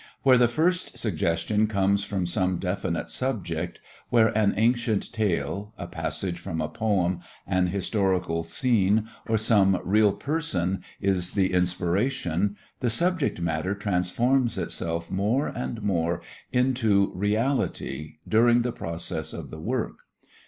Where the first suggestion comes from some definite subject, where an ancient tale, a passage from a poem, an historical scene or some real person is the inspiration, the subject matter transforms itself more and more into reality during the process of the work.